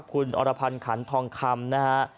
คุณอรพันธ์ขันทองคำ